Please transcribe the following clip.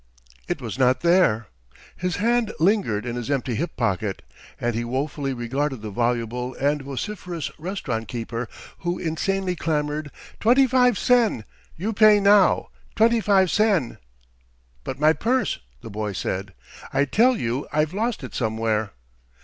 It was not there. His hand lingered in his empty hip pocket, and he woefully regarded the voluble and vociferous restaurant keeper, who insanely clamored: "Twenty five sen! You pay now! Twenty five sen!" "But my purse!" the boy said. "I tell you I've lost it somewhere."